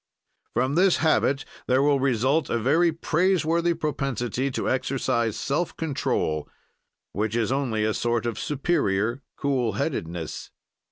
From this habit there will result a very praiseworthy propensity to exercise self control, which is only a sort of superior cool headedness.